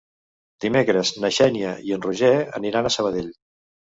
Dimecres na Xènia i en Roger aniran a Sabadell.